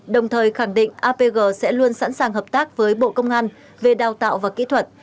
định apg sẽ luôn sẵn sàng hợp tác với bộ công an về đào tạo và kỹ thuật